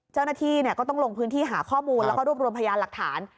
เจ้าหน้าที่ก็ต้องลงพื้นที่หาข้อมูลแล้วก็รวบรวมพยานหลักฐาน